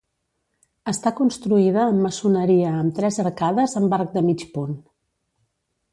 Està construïda amb maçoneria amb tres arcades amb arc de mig punt.